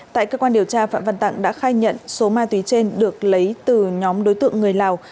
tại cơ quan điều tra phạm văn tặng đã khai nhận số ma túy trên được lấy từ nhóm đối tượng người lào